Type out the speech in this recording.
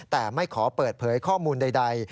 แต่ไม่ขอเปิดเผยข้อมูลใด